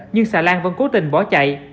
nhưng xà lan vẫn cố tình bỏ chạy